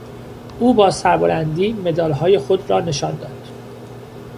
او با سربلندی مدالهای خود را نشان داد.